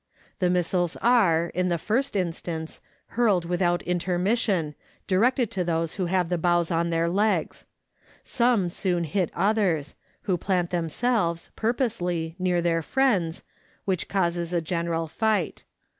The missiles are, in the first instance, hurled without intermission, directed to those who have the boughs on their legs. Some soon hit others, who plant themselves (purposely) near their friends, which causes a general fight.